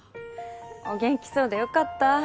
お元気そうでよかった。